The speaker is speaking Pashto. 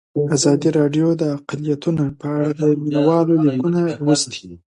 ازادي راډیو د اقلیتونه په اړه د مینه والو لیکونه لوستي.